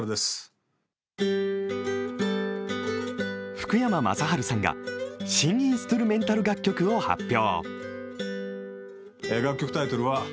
福山雅治さんが新インストゥルメンタル楽曲を発表。